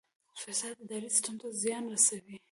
فساد اداري سیستم ته څه زیان رسوي؟